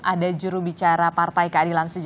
ada jurubicara partai keadilan sejajar